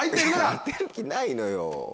当てる気ないのよ。